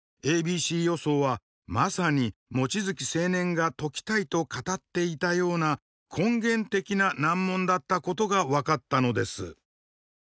ａｂｃ予想はまさに望月青年が解きたいと語っていたような根源的な難問だったことが分かったのです。